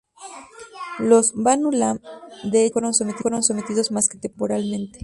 Los Banu Lam de hecho nunca fueron sometidos más que temporalmente.